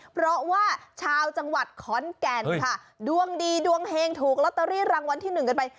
เพราะว่าชาวจังหวัดขอนแก่นค่ะดวงดีดวงเฮงถูกลอตเตอรี่รางวัลที่หนึ่งกันไป